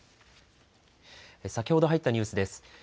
先ほど入ったニュースです。